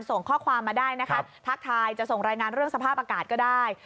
ส่งข้อความมาได้นะคะทักทายจะส่งรายงานเรื่องสภาพอากาศก็ได้